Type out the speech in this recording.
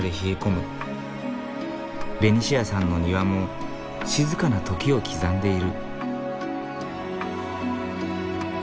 ベニシアさんの庭も静かな時を刻んでいる。